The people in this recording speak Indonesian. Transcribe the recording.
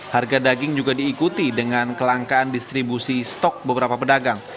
harga daging juga diikuti dengan kelangkaan distribusi stok beberapa pedagang